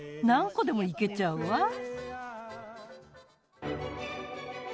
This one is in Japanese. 何個でもいけちゃうわ。